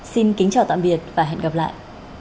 xin kính chào tạm biệt và hẹn gặp lại